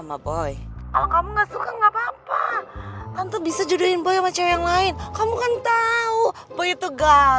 maksudnya adriana itu atu apa